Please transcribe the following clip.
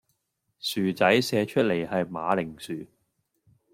薯仔寫出來係馬鈴薯